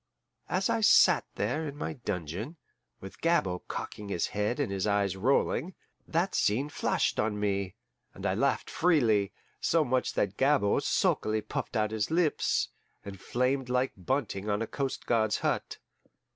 As I sat there in my dungeon, with Gabord cocking his head and his eyes rolling, that scene flashed on me, and I laughed freely so much so that Gabord sulkily puffed out his lips, and flamed like bunting on a coast guard's hut.